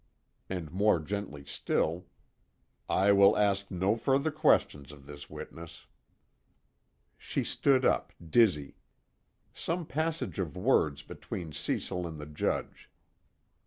And more gently still: "I will ask no further questions of this witness." She stood up, dizzy. Some passage of words between Cecil and the Judge.